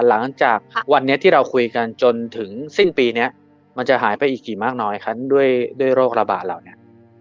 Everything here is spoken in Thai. หลังจากวันนี้ที่เราคุยกันจนถึงสิ้นปีนี้มันจะหายไปอีกกี่มากน้อยคะด้วยโรคระบาดเหล่านี้